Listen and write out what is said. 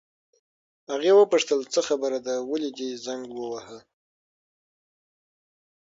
هغې وپوښتل: څه خبره ده، ولې دې زنګ وواهه؟